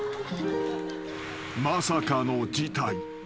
［まさかの事態］